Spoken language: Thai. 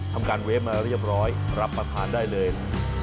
ทำการเวฟมาเรียบร้อยรับประทานได้เลย